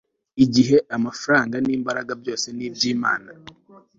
Igihe amafaranga nimbaraga byose ni ibyImana